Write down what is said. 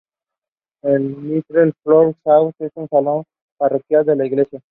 El "Little Flower Hall" es el salón parroquial de la iglesia.